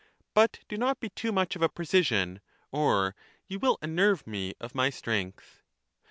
But do not be too 4.15 much of a precisian, or 'you will unnerve me of my strength